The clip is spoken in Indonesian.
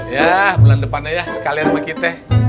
yah bulan depannya ya sekalian sama kita